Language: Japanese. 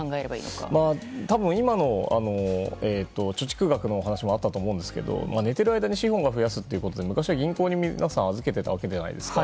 今の貯蓄額のお話もあったと思いますが寝ている間に資本を増やすというのは皆さん昔は銀行に預けていたわけじゃないですか。